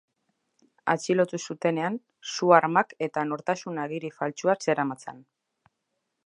Atxilotu zutenean, su-armak eta nortasun agiri faltsua zeramatzan.